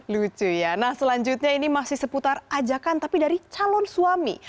lucu ya nah selanjutnya ini masih seputar ajakan tapi dari calon suami